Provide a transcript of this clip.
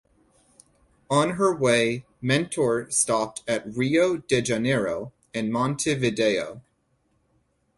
On her way "Mentor" stopped at Rio de Janeiro and Montevideo.